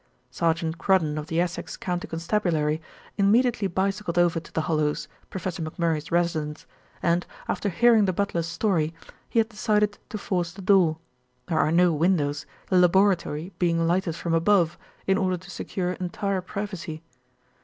Sergeant Crudden of the Essex County Constabulary immediately bicycled over to "The Hollows," Professor McMurray's residence, and, after hearing the butler's story, he had decided to force the door; there are no windows, the laboratory being lighted from above, in order to secure entire privacy.